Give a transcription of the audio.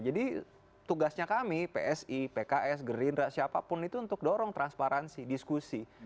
jadi tugasnya kami psi pks gerindra siapapun itu untuk dorong transparansi diskusi